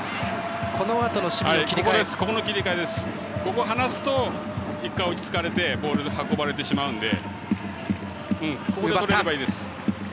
ここを離すと１回追いつかれてボール運ばれてしまうので。